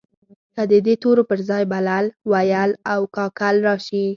که د دې تورو پر ځای بلبل، وېل او کاکل راشي.